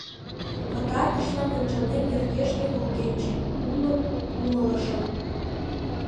Пытартышлан ончылнем йыргешке волгенче улмым умылышым.